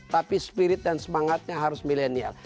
tapi spirit dan semangatnya harus milenial